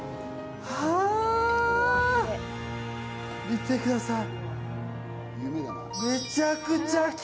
見てください！